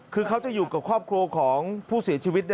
คือเขาจะอยู่กับครอบครัวของผู้เสียชีวิต